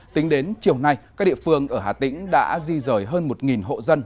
tính đến chiều nay các địa phương ở hà tĩnh đã di rời hơn một hộ dân